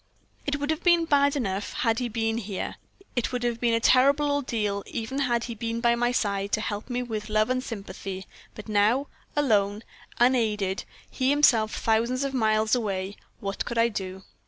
"It would have been bad enough had he been here; it would have been a terrible ordeal even had he been by my side, to help me with love and sympathy; but now, alone, unaided he himself thousands of miles away what could I do?